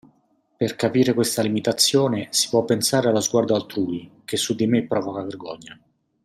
Per capire questa limitazione si può pensare allo sguardo altrui che su di me provoca vergogna.